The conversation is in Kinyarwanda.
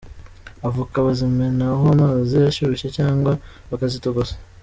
Avoka bazimenaho amazi ashyushye cyangwa bakazitogosa.